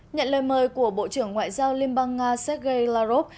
nhận lời mời của bộ trưởng ngoại giao liên bang nga sergei lavrov